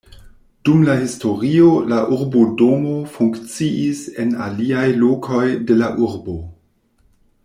Dum la historio la urbodomo funkciis en aliaj lokoj de la urbo.